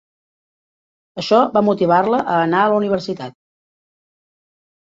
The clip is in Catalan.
Això va motivar-la a anar a la universitat.